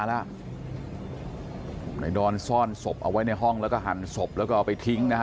นายดอนซ่อนศพเอาไว้ในห้องแล้วก็หั่นศพแล้วก็เอาไปทิ้งนะฮะ